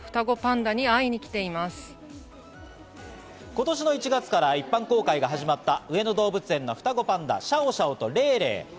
今年の１月から一般公開が始まった上野動物園の双子パンダ、シャオシャオとレイレイ。